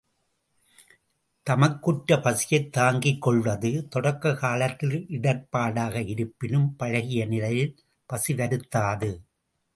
தமக்குற்ற பசியைத் தாங்கிக் கொள்வது, தொடக்க காலத்தில் இடர்ப் பாடாக இருப்பினும் பழகிய நிலையில் பசி வருத்தாது.